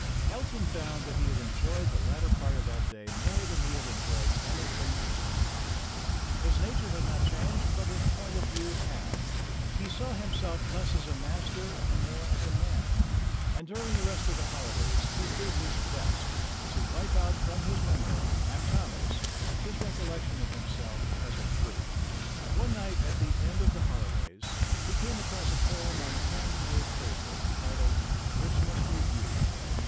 Elton found that he had enjoyed the latter part of that day more than he had enjoyed anything for some time. His nature had not changed, but his point of view had. He saw himself less as a master and more as a man. And during the rest of the holidays he did 114 STORIES WITHOUT TEARS his best to wipe out from his memory (and Tommy's) his recollection of himself as a brute. One night at the end of the holidays he came across a poem on hand made paper, entitled "Christmas Re viewed."